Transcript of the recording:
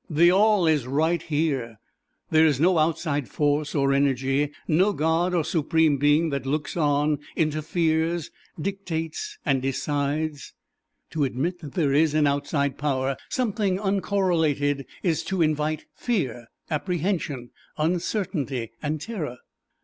The All is right here. There is no outside force or energy; no god or supreme being that looks on, interferes, dictates and decides. To admit that there is an outside power, something uncorrelated, is to invite fear, apprehension, uncertainty and terror.